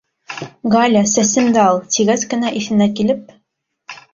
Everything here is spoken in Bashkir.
— Галя, сәсемде ал, — тигәс кенә, иҫенә килеп: